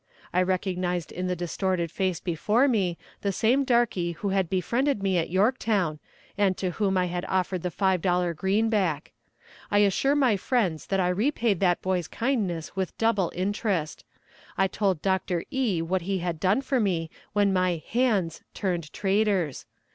I recognized in the distorted face before me the same darkie who had befriended me at Yorktown, and to whom I had offered the five dollar greenback. I assure my friends that I repaid that boy's kindness with double interest; I told Doctor E. what he had done for me when my "hands" turned traitors.